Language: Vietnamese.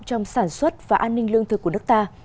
trong sản xuất và an ninh lương thực của nước ta